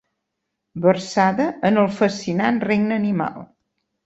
Versada en el fascinant regne animal.